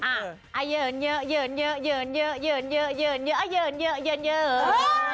เอาเยินยะะเหงอะ